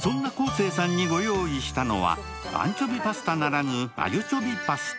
生さんにご用意したのはアンチョビパスタならぬ鮎チョビパスタ。